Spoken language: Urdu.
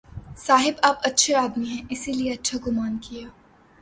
صاحب آپ اچھے آدمی ہیں، اس لیے اچھا گمان کیا۔